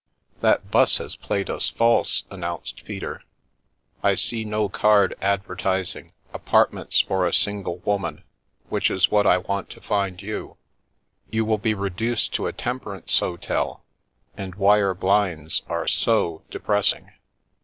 " That Tnis has played us false !" announced Peter. " I see no card advertising ' apartments for a single woman,' which is what I want to find you. You will be reduced to a temperance hotel, and wire blinds are so depressing